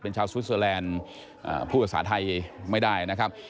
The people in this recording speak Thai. ชาวสวิสเตอร์แลนด์พูดภาษาไทยไม่ได้นะครับ